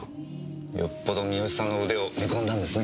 よっぽど三好さんの腕を見込んだんですね。